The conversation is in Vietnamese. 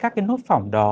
và trên các nốt phỏng đó